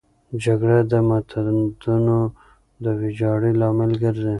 جګړه د تمدنونو د ویجاړۍ لامل ګرځي.